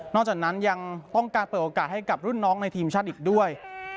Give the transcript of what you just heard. จากนั้นยังต้องการเปิดโอกาสให้กับรุ่นน้องในทีมชาติอีกด้วย